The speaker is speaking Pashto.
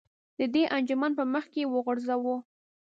د دې انجمن په مخ کې یې وغورځوه.